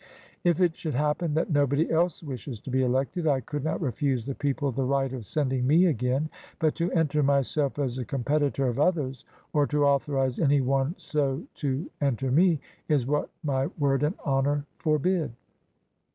... If it should happen that nobody else wishes to be elected, I could not refuse the people the right of sending me again. But to enter myself as a competitor of others, or to authorize any one so to enter me, is what my word and honor for bid."